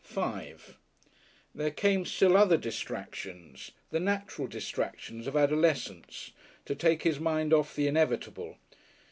§5 There came still other distractions, the natural distractions of adolescence, to take his mind off the inevitable.